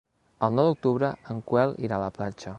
El nou d'octubre en Quel irà a la platja.